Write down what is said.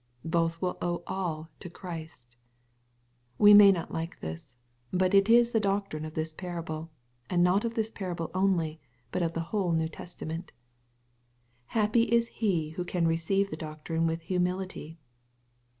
Both will owe all to Christ. — We may not like this. But it is the doctrine oi this parable, and not of this parable only, but of the whole New Testament. Happy is he who can receive the doctrine with humility